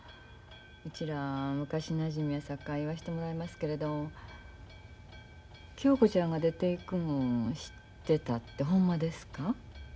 うちら昔なじみやさかい言わしてもらいますけれど恭子ちゃんが出ていくん知ってたってほんまですか？